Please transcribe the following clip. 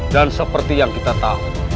dan seperti yang kita tahu